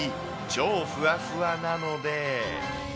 超ふわふわなので。